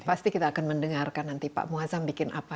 pasti kita akan mendengarkan nanti pak muazzam bikin apa